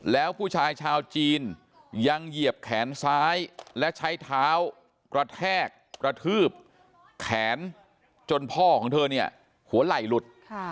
แล้วผู้ชายชาวจีนยังเหยียบแขนซ้ายและใช้เท้ากระแทกกระทืบแขนจนพ่อของเธอเนี่ยหัวไหล่หลุด